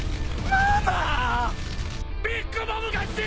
ママ！